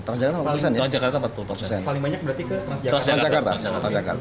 paling banyak berarti ke transjakarta